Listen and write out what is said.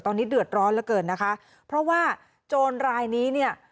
ตอนนี้เดือดร้อนเหลือเกินนะคะเพราะว่าโจรรายนี้เนี่ย